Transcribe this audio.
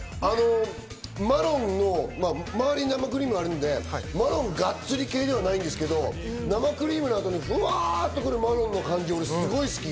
マロンの周りに生クリームがあるんでマロンガッツリ系ではないんですけど、生クリームの後にフワっとくるマロンの感じがすごい好き。